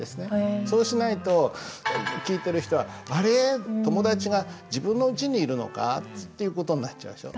そうしないと聞いてる人は「あれ？友達が自分のうちにいるのか？」っていう事になっちゃうでしょ。